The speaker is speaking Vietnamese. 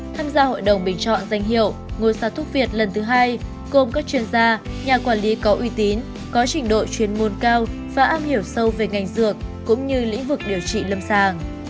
tham gia hội đồng bình chọn danh hiệu ngôi sao thuốc việt lần thứ hai gồm các chuyên gia nhà quản lý có uy tín có trình độ chuyên môn cao và am hiểu sâu về ngành dược cũng như lĩnh vực điều trị lâm sàng